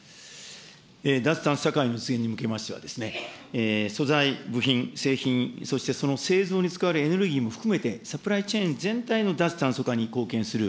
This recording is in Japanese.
脱炭素社会の実現に向けましては、素材、部品、製品、そしてその製造に使われるエネルギーも含めて、サプライチェーン全体の脱炭素化に貢献する、